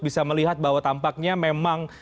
bisa melihat bahwa tampaknya memang